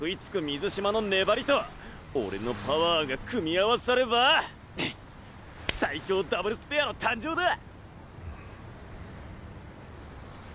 水嶋の粘りと俺のパワーが組み合わされば最強ダブルスペアの誕生だ！